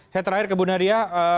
saya terakhir ke bu nadia